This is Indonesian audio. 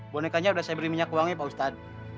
bonekanya sudah saya beri minyak uangnya pak ustadz